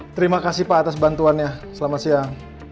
terima kasih pak atas bantuannya selamat siang